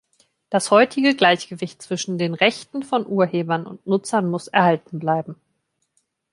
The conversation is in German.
Das heutige Gleichgewicht zwischen den Rechten von Urhebern und Nutzern muss erhalten bleiben.